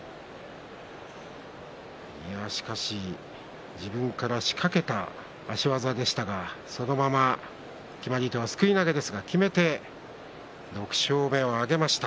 しかし自分から仕掛けた足技でしたがそのまま決まり手はすくい投げですがきめて６勝目を挙げました。